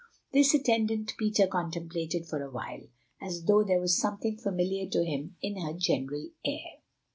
This attendant Peter contemplated for a while, as though there were something familiar to him in her general air.